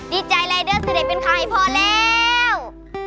ดีใจเลยเด้อจะได้เป็นค้าให้พอแล้ว